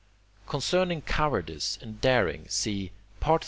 Concerning cowardice and daring, see III.